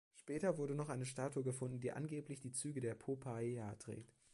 Später wurde noch eine Statue gefunden, die angeblich die Züge der Poppaea trägt.